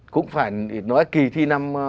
cũng phải nói kỳ thi năm